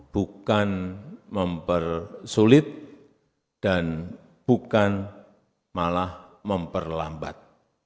bukan mempersulit dan bukan malah memperlambat